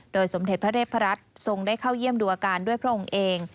สมเด็จพระเทพรัฐทรงได้เข้าเยี่ยมดูอาการด้วยพระองค์เอง